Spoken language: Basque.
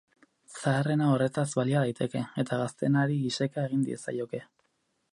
Zaharrena horretaz balia daiteke, eta gazteenari iseka egin diezaioke.